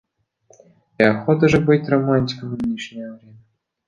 И охота же быть романтиком в нынешнее время!